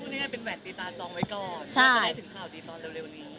เพราะว่าเฮ้ยเป็นแหวนตีตาจองไว้ก่อนก็จะได้ถึงข่าวดีตอนเร็วนี้